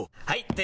はい！